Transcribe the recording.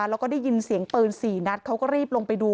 แล้วก็ได้ยินเสียงปืน๔นัดเขาก็รีบลงไปดู